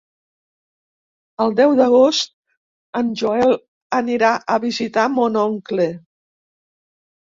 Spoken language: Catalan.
El deu d'agost en Joel anirà a visitar mon oncle.